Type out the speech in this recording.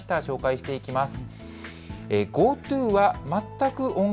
紹介していきます。